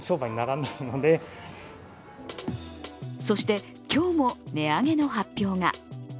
そして、今日も値上げの発表が。